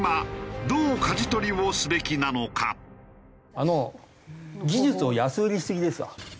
あの技術を安売りしすぎですわ。